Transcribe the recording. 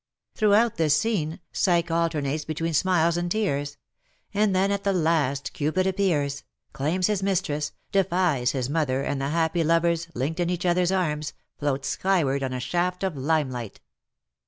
Throughout this scene Psyche alter nates between smiles and tears ; and then at the last Cupid appears — claims his mistress,, defies his mother, and the happy lovers, linked in each other^s arms, float sky ward on a shaft of lime li^ht.